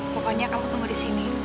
pokoknya kamu tunggu di sini